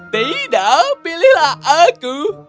tidak pilihlah aku